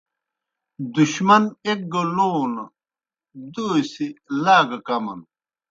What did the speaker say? دُشمن ایک گہ لونوْ، دوسیْ لا گہ کمَن